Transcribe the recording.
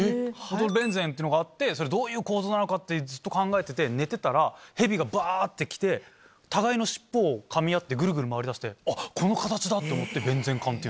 ベンゼンっていうのがあってそれどういう構造なのかってずっと考えてて寝てたら蛇がバって来て互いの尻尾を噛み合ってグルグル回りだして「あっこの形だ」って思って。